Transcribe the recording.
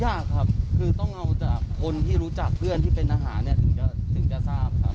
ยากครับคือต้องเอาจากคนที่รู้จักเพื่อนที่เป็นทหารเนี่ยถึงจะทราบครับ